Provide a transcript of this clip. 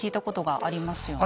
ありますね。